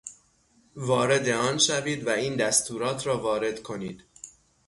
وارد آن شوید و این دستورات را وارد کنید.